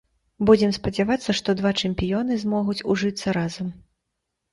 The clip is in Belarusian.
Будзем спадзявацца, што два чэмпіёны змогуць ужыцца разам.